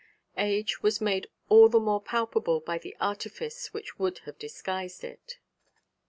Age was made all the more palpable by the artifice which would have disguised it.